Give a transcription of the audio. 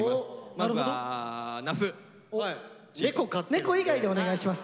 猫以外でお願いします